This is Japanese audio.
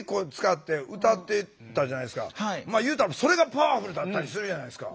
まあ言うたらそれがパワフルだったりするじゃないですか。